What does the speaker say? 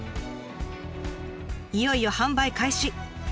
いよいよ販売開始！